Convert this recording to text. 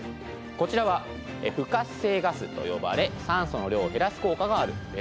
こちらは不活性ガスと呼ばれ酸素の量を減らす効果があるんです。